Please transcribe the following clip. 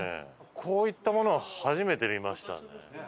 こういったものは初めて見ましたね。